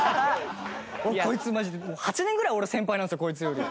こいつマジ８年ぐらい俺先輩なんですよこいつより。